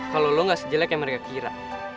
kalau lo gak sejelek yang mereka kira